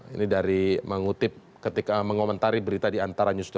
ini dari mengutip ketika mengomentari berita di antaranyus com ya